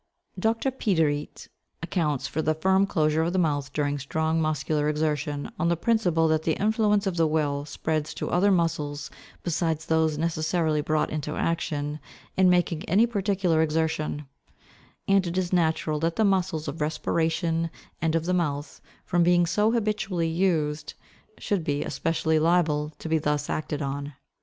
Dr. Piderit accounts for the firm closure of the mouth during strong muscular exertion, on the principle that the influence of the will spreads to other muscles besides those necessarily brought into action in making any particular exertion; and it is natural that the muscles of respiration and of the mouth, from being so habitually used, should be especially liable to be thus acted on.